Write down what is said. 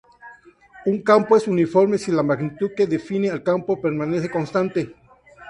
Un campo es uniforme si la magnitud que define al campo permanece constante.